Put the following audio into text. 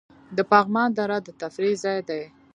د پغمان دره د تفریح ځای دی